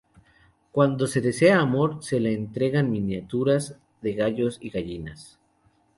Cuando se desea amor, se le entregan miniaturas de gallos y gallinas.